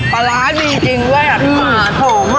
ปลาร้าดีจริงแวดปลาหอมอ่ะ